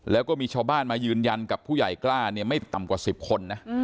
แล้วก็มีชาวบ้านมายืนยันกับผู้ใหญ่กล้าเนี่ยไม่ต่ำกว่า๑๐คนนะ